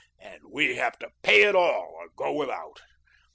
And we have to pay it all or go without.